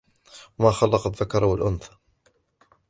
وما خلق الذكر والأنثى